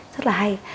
rất là hay